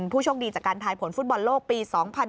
ผู้โชคดีจากการทายผลฟุตบอลโลกปี๒๐๑๖